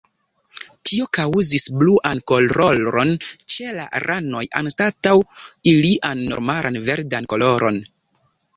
Tio kaŭzis bluan koloron ĉe la ranoj anstataŭ ilian normalan verdan koloron.